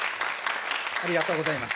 ありがとうございます。